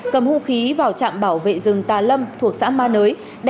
cầm hung khí vào trạm bảo vệ rừng tà lâm thuộc xã ma nới